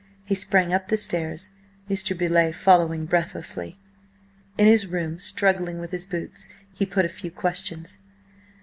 He sprang up the stairs, Mr. Beauleigh following breathlessly. In his room, struggling with his boots, he put a few questions.